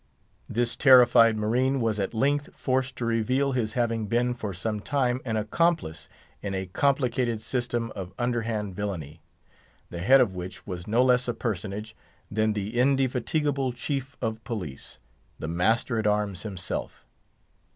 This terrified marine was at length forced to reveal his having been for some time an accomplice in a complicated system of underhand villainy, the head of which was no less a personage than the indefatigable chief of police, the master at arms himself.